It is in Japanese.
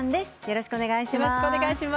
よろしくお願いします。